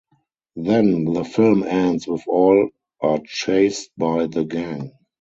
Then the film ends with all are chased by the gang.